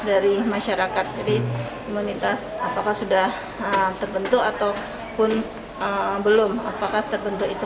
dari masyarakat jadi imunitas apakah sudah terbentuk ataupun belum apakah terbentuk itu